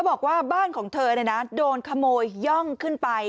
เธอบอกว่าบ้านของเธอเนี่ยนะโดนขโมยย่องขึ้นไป